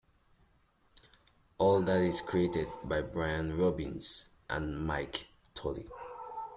All That is created by Brian Robbins and Mike Tollin.